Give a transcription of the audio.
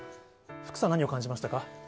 福さん、何を感じましたか？